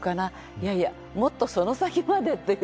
いやいやもっとその先までっていう。